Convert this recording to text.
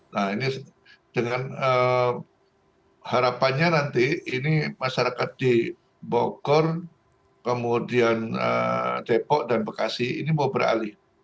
nah ini dengan harapannya nanti ini masyarakat di bogor kemudian depok dan bekasi ini mau beralih